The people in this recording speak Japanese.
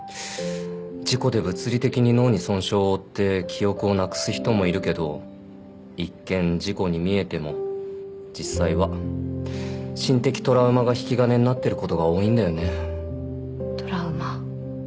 事故で物理的に脳に損傷を負って記憶をなくす人もいるけど一見事故に見えても実際は心的トラウマが引き金になってることが多いんだよねトラウマ